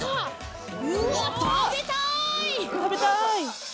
食べたい！